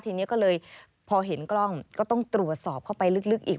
ทีนี้ก็เลยพอเห็นกล้องก็ต้องตรวจสอบเข้าไปลึกอีก